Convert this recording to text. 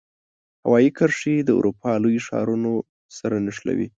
هوایي کرښې د اروپا لوی ښارونو سره نښلوي.